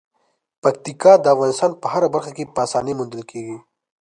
پکتیکا د افغانستان په هره برخه کې په اسانۍ موندل کېږي.